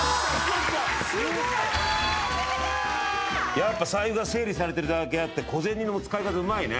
やっぱ財布が整理されてるだけあって小銭の使い方うまいね。